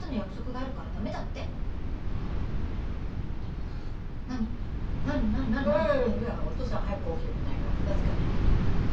ああいやお父さん早く起きてこないから片づかないなと思って。